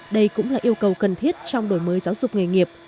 đây cũng là yêu cầu cần thiết trong đổi mới giáo dục nghề nghiệp